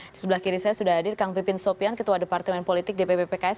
di sebelah kiri saya sudah hadir kang pipin sopian ketua departemen politik dpp pks